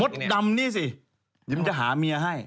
มดดำนี้ซี่ยิ้มจะหาเมียให้